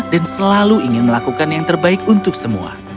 selalu ingin melakukan yang terbaik untuk semua